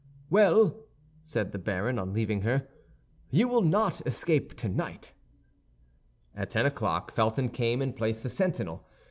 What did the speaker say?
"Well," said the baron, on leaving her "you will not escape tonight!" At ten o'clock Felton came and placed the sentinel.